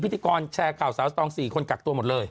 พิธีกรแชร์ข่าวสาวสตอง๔คนกักตัวหมดเลย